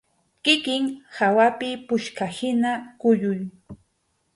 Kikin hawapi puchkahina kuyuy.